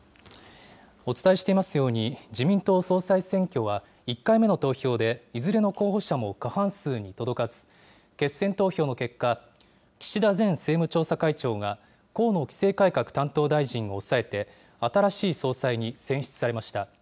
お伝えしていますように、自民党総裁選挙は、１回目の投票で、いずれの候補者も過半数に届かず、決選投票の結果、岸田前政務調査会長が、河野規制改革担当大臣を抑えて、新しい総裁に選出されました。